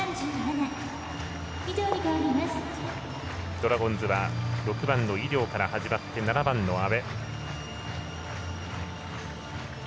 ドラゴンズは６番の井領から始まって７番の阿部。